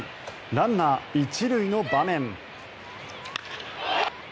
ランナー１塁の場面。